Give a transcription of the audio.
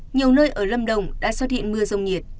nhiều nơi ở lâm đồng đã xuất hiện mưa rông nhiệt